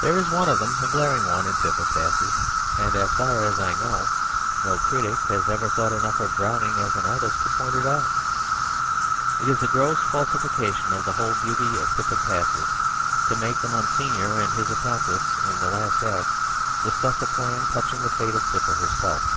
There is one of them, a glaring one, in Pippa Passes; and, as far as I know, no critic has ever thought enough of Browning as an artist to point it out. It is a gross falsification of the whole beauty of Pippa Passes to make the Monseigneur and his accomplice in the last act discuss a plan touching the fate of Pippa herself.